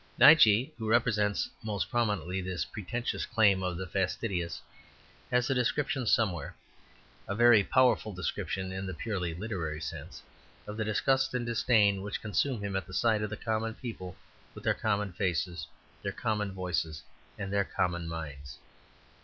Nietzsche, who represents most prominently this pretentious claim of the fastidious, has a description somewhere a very powerful description in the purely literary sense of the disgust and disdain which consume him at the sight of the common people with their common faces, their common voices, and their common minds.